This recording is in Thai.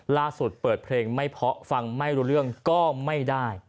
เปิดเพลงไม่เพราะฟังไม่รู้เรื่องก็ไม่ได้